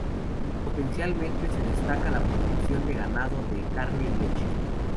Potencialmente se destaca la producción de ganado de carne y leche.